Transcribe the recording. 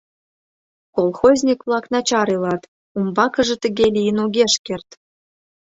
Колхозник-влак начар илат, умбакыже тыге лийын огеш керт.